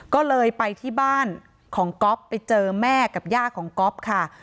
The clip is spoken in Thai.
ก็เลยไปที่บ้านของก๊อฟไปเจอแม่กับย่าของก๊อฟค่ะ